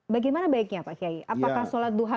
bagaimana baiknya pak kiai apakah sholat duha